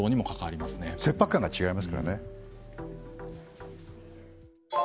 切迫感が違いますからね。